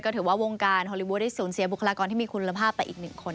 ถือว่าวงการฮอลลีวูดได้สูญเสียบุคลากรที่มีคุณภาพไปอีกหนึ่งคน